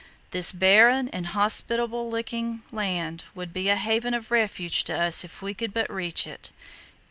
This barren, inhospitable looking land would be a haven of refuge to us if we could but reach it.